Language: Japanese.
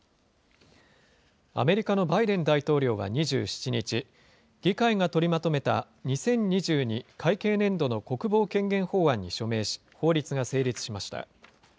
アメリカのバイデン大統領は２７日、議会が取りまとめた２０２２会計年度の国防権限法案に署名し、法律が成立しました。